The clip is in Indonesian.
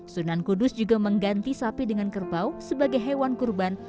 sunan kudus juga mengganti sapi dengan kerbau sebagai hewan kurban